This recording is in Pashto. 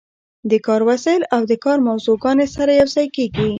د کار وسایل او د کار موضوعګانې سره یوځای کیږي.